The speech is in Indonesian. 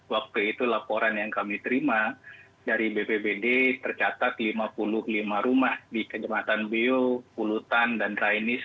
waktu itu laporan yang kami terima dari bpbd tercatat lima puluh lima rumah di kejematan beo pulutan dan rainis